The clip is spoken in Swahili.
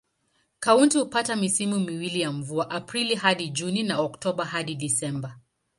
Kaunti hupata misimu miwili ya mvua: Aprili hadi Juni na Oktoba hadi Disemba.